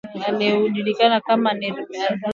aliyejulikana kama Nimr alNimr